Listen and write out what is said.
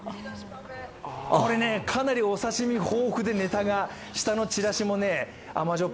これね、かなりお刺身豊富でネタが、下のちらしも甘じょっ